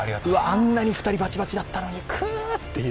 あんなに２人バチバチだったのにくっていう。